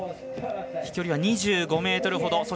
飛距離は２５ｍほど。